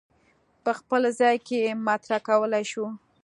په خپل ځای کې یې مطرح کولای شو.